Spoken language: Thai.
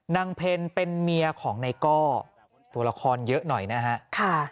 เพลเป็นเมียของนายก้อตัวละครเยอะหน่อยนะฮะ